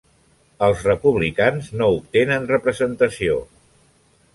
Els Republicans no obtenen representació.